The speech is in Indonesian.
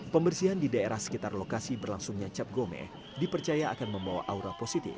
pembersihan di daerah sekitar lokasi berlangsungnya cap gome dipercaya akan membawa aura positif